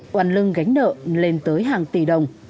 quản lưng gánh nợ lên tới hàng tỷ đồng